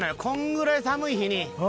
こんぐらい寒い日に。